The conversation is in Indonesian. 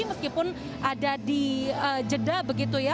meskipun ada di jeda begitu ya